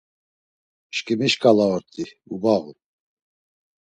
Şǩimi şǩala ort̆i ubağun.